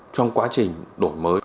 trong quá trình đổi mới